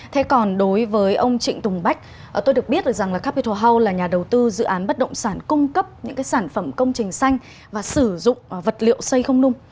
thế còn đối với ông trịnh tùng bách tôi được biết được rằng là capital house là nhà đầu tư dự án bất động sản cung cấp những cái sản phẩm công trình xanh và sử dụng vật liệu xây không nung